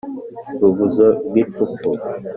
ruvuzo rw’ipfupfu